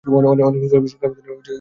অনেক শিক্ষা প্রতিষ্ঠানে লোগো রয়েছে।